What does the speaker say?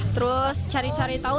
terus cari cari tahu